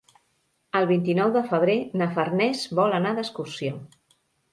El vint-i-nou de febrer na Farners vol anar d'excursió.